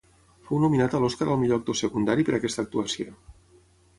Fou nominat a l'Oscar al Millor Actor Secundari per aquesta actuació.